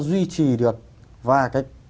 duy trì được và cái